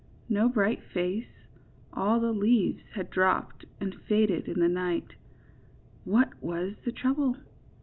No bright face, — all the leaves had drooped and faded in the night. What was the trouble?